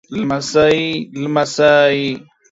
لمسۍ او لمسى